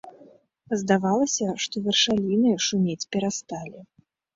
Здавалася, што вершаліны шумець перасталі.